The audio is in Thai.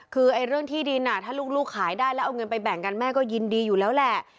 คือเรื่องที่ดินถ้าลูกขายได้แล้วเอาเงินไปแบ่งกันแม่ก็ยินดีอยู่แล้วแหละ